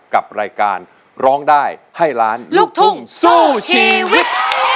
กับรายการร้องได้ให้ล้านลูกทุ่งสู้ชีวิต